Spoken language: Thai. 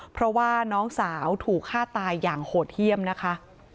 เพราะว่าน้องสาวถูกฆ่าตายอย่างโหดเยี่ยมนะคะ